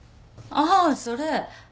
ああそれ。